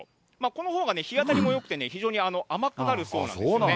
このほうが日当たりもよくて、非常に甘くなるそうなんですよね。